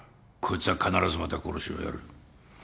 こいつは必ずまた殺しをやる。